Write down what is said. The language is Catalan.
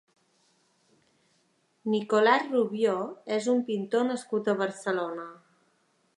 Nicolás Rubió és un pintor nascut a Barcelona.